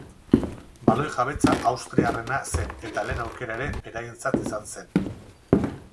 Baloi jabetza austriarrena zen eta lehen aukera ere beraientzat izan zen.